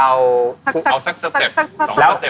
เอาสักสักสั้น